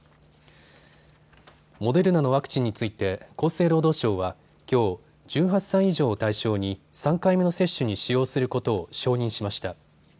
モデルナのワクチンについて厚生労働省はきょう１８歳以上を対象に３回目の接種に使用することを承認しました。